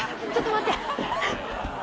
ちょっと待って。